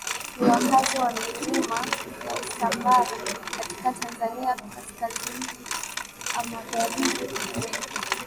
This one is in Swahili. ni wakazi wa milima ya Usambara katika Tanzania kaskazinimagharibiNa Mbegha ni jina